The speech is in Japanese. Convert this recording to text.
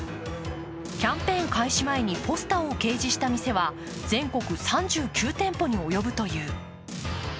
キャンペーン開始前にポスターを掲示した店は全国３９店舗にも及ぶという。